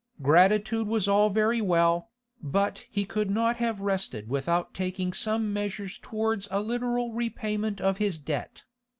Gratitude was all very well, but he could not have rested without taking some measures towards a literal repayment of his debt.